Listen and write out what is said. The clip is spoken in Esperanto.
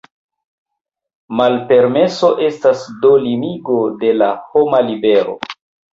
Malpermeso estas do limigo de la homa libero.